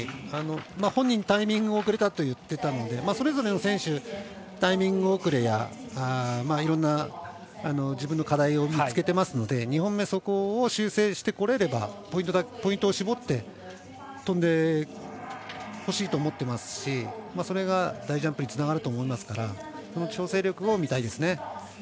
本人タイミング遅れたと言っていたのでそれぞれの選手タイミング遅れやいろんな自分の課題を見つけていますので２本目、そこを修正してこれればポイントを絞って飛んでほしいと思ってますしそれが、大ジャンプにつながると思いますからその調整力を見たいですね。